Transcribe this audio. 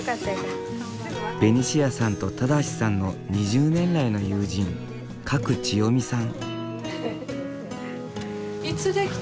ベニシアさんと正さんの２０年来の友人いつできた？